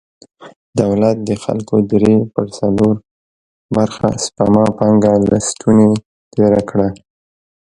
دولت د خلکو درې پر څلور برخه سپما پانګه له ستونې تېره کړه.